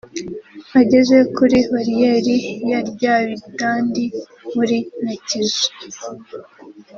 ageze kuri bariyeri ya Ryabidandi muri Nyakizu